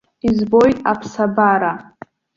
Избоит аԥсабара.